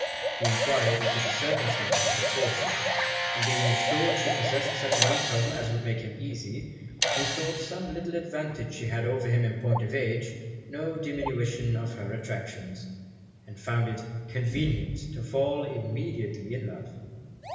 He enquired into the circumstances of her fortune; and being assured she possessed such an income as would make him easy, he thought some little advantage she had over him in point of age no diminution of her attractions, and found it convenient to fall immediately in love.